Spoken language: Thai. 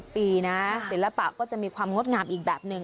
ปีนะศิลปะก็จะมีความงดงามอีกแบบหนึ่ง